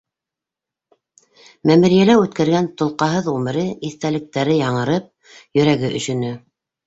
Мәмерйәлә үткәргән толҡаһыҙ ғүмере иҫтәлектәре яңырып, йөрәге өшөнө.